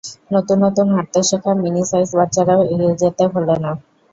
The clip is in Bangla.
নতুন নতুন হাঁটতে শেখা মিনি সাইজ বাচ্চারাও এগিয়ে যেতে ভোলে না।